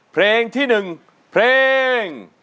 เพลงที่หนึ่ง